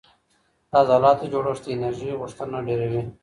د عضلاتو جوړښت د انرژي غوښتنه ډېروي.